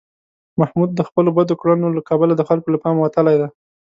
محمود د خپلو بدو کړنو له کبله د خلکو له پامه وتلی دی.